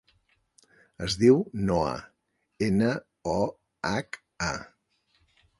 Es diu Noha: ena, o, hac, a.